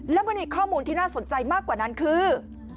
แล้วมันมีข้อมูลที่น่าสนใจมากกว่านั้นคือ